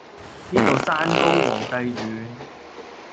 呢度山高皇帝遠